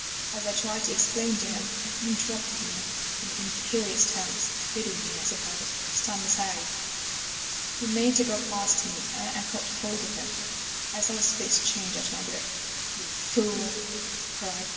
As I tried to explain to him, he interrupted me in imperious tones, bidding me, I suppose, stand aside. "He made to go past me, and I caught hold of him. "I saw his face change at my grip. "'You fool,' I cried.